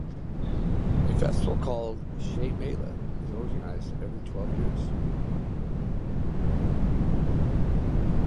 A festival called "Shey Mela" is organized every twelve years.